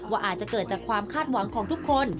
อาจจะเกิดจากความคาดหวังของทุกคน